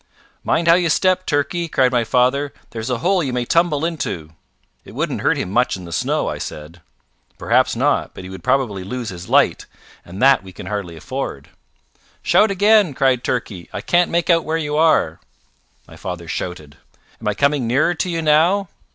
"Mind how you step, Turkey," cried my father. "There's a hole you may tumble into." "It wouldn't hurt him much in the snow," I said. "Perhaps not, but he would probably lose his light, and that we can hardly afford." "Shout again," cried Turkey. "I can't make out where you are." My father shouted. "Am I coming nearer to you now?"